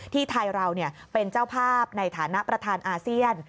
ไทยเราเป็นเจ้าภาพในฐานะประธานอาเซียน